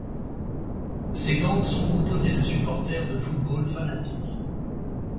Ces gangs sont composés de supporteurs de football fanatiques.